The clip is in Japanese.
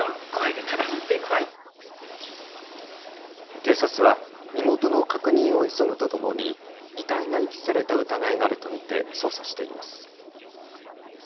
警察は身元の確認を急ぐとともに遺体が遺棄された疑いがあると見て捜査しています。